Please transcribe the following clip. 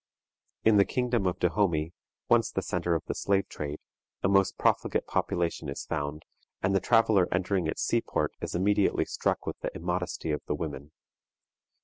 In the kingdom of Dahomey, once the centre of the slave trade, a most profligate population is found, and the traveler entering its sea port is immediately struck with the immodesty of the women.